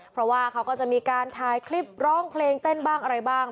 เพราะว่าเขาก็จะมีการถ่ายคลิปร้องเพลงเต้นบ้างอะไรบ้าง